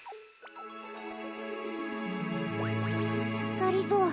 がりぞー